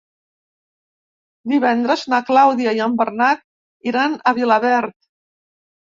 Divendres na Clàudia i en Bernat iran a Vilaverd.